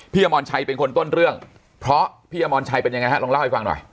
อมรชัยเป็นคนต้นเรื่องเพราะพี่อมรชัยเป็นยังไงฮะลองเล่าให้ฟังหน่อย